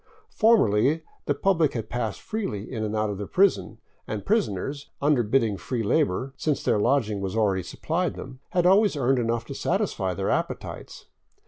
Formerly, the public had passed freely in and out of the prison, and prisoners, underbidding free labor, since their lodging was already supplied them, had always earned enough to satisfy their appetites.